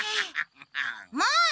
もう！